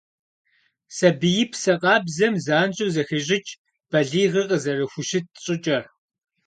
Сабиипсэ къабзэм занщӀэу зэхещӀыкӀ балигъыр къызэрыхущыт щӀыкӀэр.